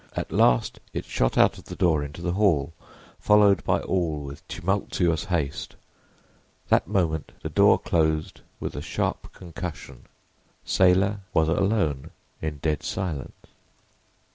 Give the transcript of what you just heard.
At last it shot out of the door into the hall, followed by all, with tumultuous haste. That moment the door closed with a sharp concussion. Saylor was alone, in dead silence.